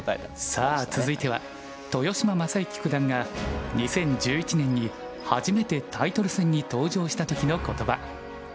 さあ続いては豊島将之九段が２０１１年に初めてタイトル戦に登場した時の言葉。